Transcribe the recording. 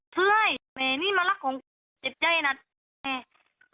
ซื่อแหมนี่นลักของนั้นเจ็บใจหนัดแหม